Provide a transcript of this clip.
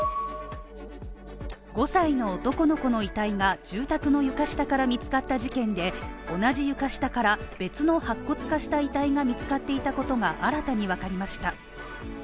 ５歳の男の子の遺体が住宅の床下から見つかった事件で、同じ床下から別の白骨化した遺体が見つかっていたことが新たにわかりました。